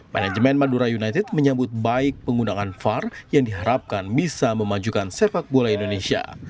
manajemen madura united menyambut baik penggunaan var yang diharapkan bisa memajukan sepak bola indonesia